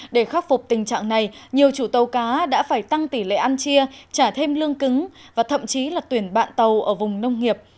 để khắc phục tình trạng này nhiều chủ tàu cá đã phải tăng tỷ lệ ăn chia trả thêm lương cứng và thậm chí là tuyển bạn tàu ở vùng nông nghiệp